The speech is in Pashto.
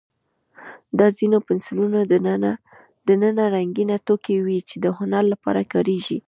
د ځینو پنسلونو دننه رنګینه توکي وي، چې د هنر لپاره کارېږي.